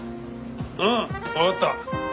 うんわかった。